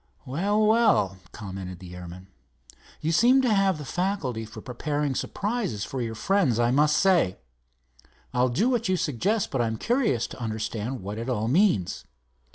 "Well, well," commented the airman; "you seem to have the faculty for preparing surprises for your friends, I must say. I'll do what you suggest, but I'm curious to understand what it all means."